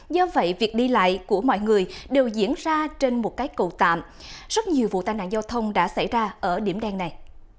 do vậy việc đi lại của mọi người đều diễn ra trên một cái cầu tạm rất nhiều vụ tai nạn giao thông đã xảy ra ở điểm đen này